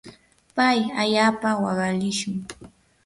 pay allaapa waqalishun.